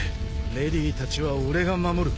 レディたちは俺が守る。